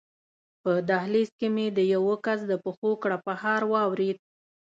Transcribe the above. په دهلېز کې مې د یوه کس د پښو کړپهار واورېد.